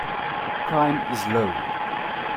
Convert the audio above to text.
Crime is low.